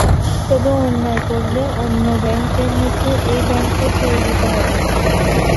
তবে অন্যায় করলে অন্য ব্যাংকের মতো এ ব্যাংকও ছেড়ে দিতে হবে।